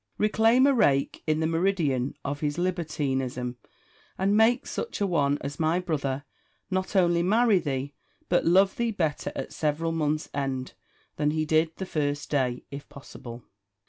Reclaim a rake in the meridian of his libertinism, and make such an one as my brother, not only marry thee, but love thee better at several months' end, than he did the first day, if possible!